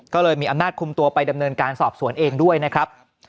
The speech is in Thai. ก็เลยมีอำนาจคุมตัวไปดำเนินการสอบสวนเองด้วยนะครับ